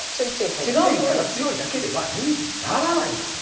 ケンカが強いだけでは人気にならないんですね。